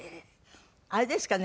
あれですかね